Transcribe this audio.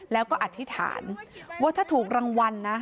แล้วก็อธิษฐานว่าถ้าถูกรางวัลนะ